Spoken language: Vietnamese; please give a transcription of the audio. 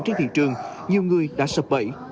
trên thị trường nhiều người đã sập bẫy